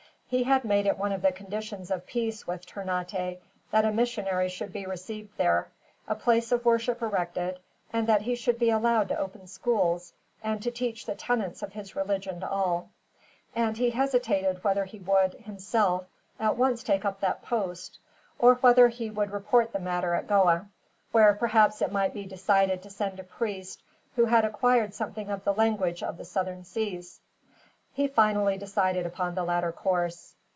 He had made it one of the conditions of peace with Ternate that a missionary should be received there, a place of worship erected, and that he should be allowed to open schools, and to teach the tenets of his religion to all; and he hesitated whether he would, himself, at once take up that post, or whether he would report the matter at Goa, where perhaps it might be decided to send a priest who had acquired something of the language of the Southern Seas. He finally decided upon the latter course.